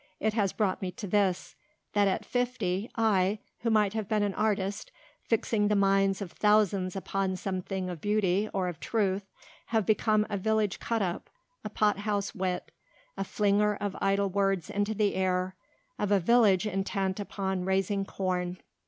It has brought me to this that at fifty I, who might have been an artist fixing the minds of thousands upon some thing of beauty or of truth, have become a village cut up, a pot house wit, a flinger of idle words into the air of a village intent upon raising corn.